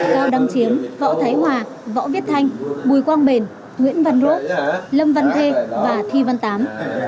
cao đăng chiến võ thái hòa võ viết thanh bùi quang bền nguyễn văn ro lâm văn thê và thi văn tám